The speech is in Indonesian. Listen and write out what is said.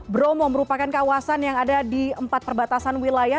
bromo merupakan kawasan yang ada di empat perbatasan wilayah